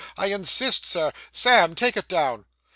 I insist, Sir. Sam, take it down.